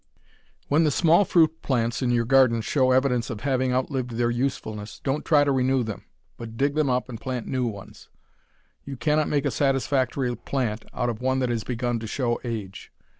When the small fruit plants in your garden show evidence of having outlived their usefulness, don't try to renew them, but dig them up and plant new ones. You cannot make a satisfactory plant out of one that has begun to show age.